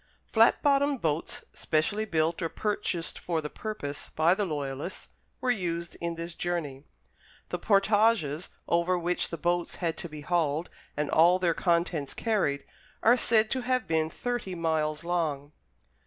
Flat bottomed boats, specially built or purchased for the purpose by the Loyalists, were used in this journey. The portages, over which the boats had to be hauled and all their contents carried, are said to have been thirty miles long.